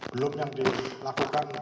belum yang dilakukan